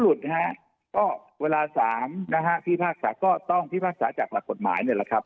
ก็เวลา๓นะฮะพิพากษาก็ต้องพิพากษาจากหลักกฎหมายเนี่ยแหละครับ